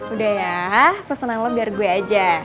udah ya pesanan lo biar gue aja